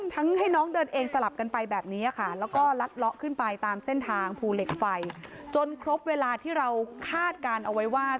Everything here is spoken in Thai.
ตามเส้นทางภูเหล็กไฟจนครบเวลาที่เราคาดการเอาไว้ว่า